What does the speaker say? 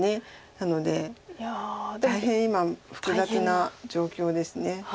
なので大変今複雑な状況です。